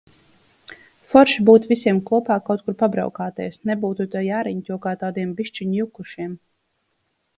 Forši būtu visiem kopā kaut kur pabraukāties, nebūtu te jāriņķo kā tādiem bišķiņ jukušiem.